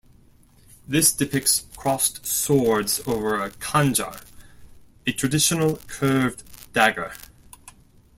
This depicts crossed swords over a "khanjar", a traditional curved dagger.